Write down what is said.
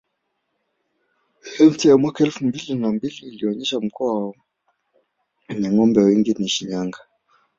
Sensa ya mwaka elfu mbili na mbili ilionesha mkoa wenye ngombe wengi ni Shinyanga